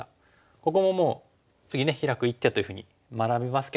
ここももう次ヒラく一手というふうに学びますけども。